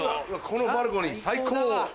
このバルコニー最高！